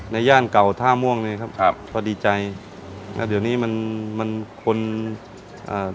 ย่านเก่าท่าม่วงเลยครับครับพอดีใจแล้วเดี๋ยวนี้มันมันคนอ่า